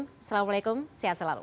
assalamualaikum sehat selalu